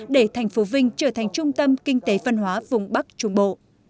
để thành phố vinh trở thành trung tâm kinh tế văn hóa vùng bắc trung bộ